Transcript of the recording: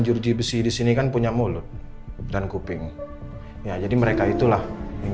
jurji besi di sini kan punya mulut dan kuping ya jadi mereka itulah yang